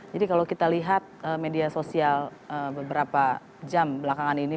jadi kalau kita lihat media sosial beberapa jam belakangan ini